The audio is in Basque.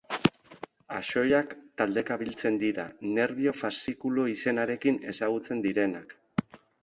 Axoiak taldeka biltzen dira, nerbio-faszikulu izenarekin ezagutzen direnak.